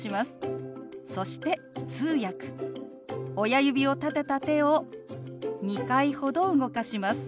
親指を立てた手を２回ほど動かします。